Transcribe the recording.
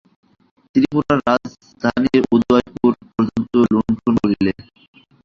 ত্রিপুরার রাজধানী উদয়পুর পর্যন্ত লুণ্ঠন করিল।